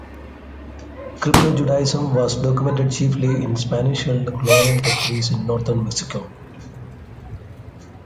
Crypto-Judaism was documented chiefly in Spanish-held colonial territories in northern Mexico.